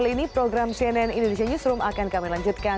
di sini program cnn indonesia newsroom akan kami lanjutkan